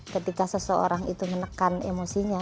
ketika seseorang itu menekan emosinya